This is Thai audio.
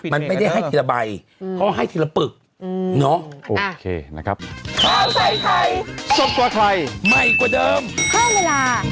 มันไม่ได้ให้ทีละใบเขาให้ทีละปึกอืมเนาะอ่าโอเคนะครับ